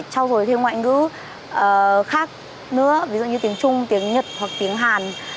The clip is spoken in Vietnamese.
trao dồi thêm ngoại ngữ khác nữa ví dụ như tiếng trung tiếng nhật hoặc tiếng hàn